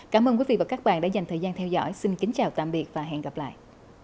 cảm ơn quý vị và các bạn đã dành thời gian theo dõi xin kính chào tạm biệt và hẹn gặp lại